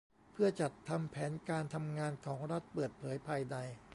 เพื่อจัดทำแผนการทำงานของรัฐเปิดเผยภายใน